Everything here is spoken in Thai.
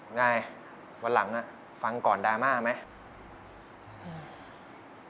ไงวันหลังฟังก่อนดราม่าไหม